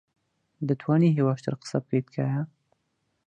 دەتوانیت هێواشتر قسە بکەیت، تکایە؟